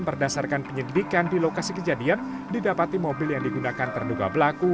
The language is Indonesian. berdasarkan penyelidikan di lokasi kejadian didapati mobil yang digunakan terduga pelaku